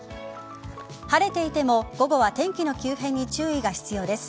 晴れていても午後は天気の急変に注意が必要です。